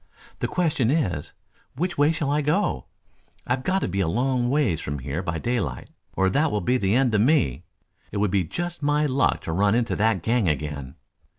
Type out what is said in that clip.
"The question is, which way shall I go? I've got to be a long ways from here by daylight or that will be the end of me. It would be just my luck to run right into that gang again."